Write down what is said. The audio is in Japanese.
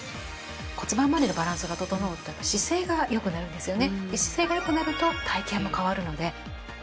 骨盤まわりのバランスが整うとやっぱり姿勢が良くなるんですよね。